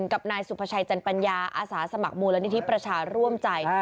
กับนายสุภาชัยจันปัญญาอาสาสมัครมูลนิธิประชาร่วมใจ